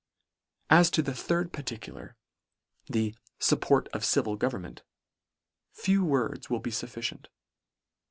As to the third particular, the " fupport "of civil government," few words will be fufficient.